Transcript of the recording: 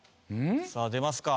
さあ出ますか？